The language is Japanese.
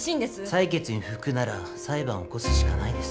裁決に不服なら裁判を起こすしかないです。